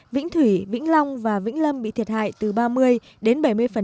vĩnh thủy vĩnh long và vĩnh lâm bị thiệt hại từ ba mươi đến bảy mươi